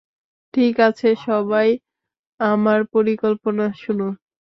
ঠিক আছে, সবাই আমার পরিকল্পনা শোনো।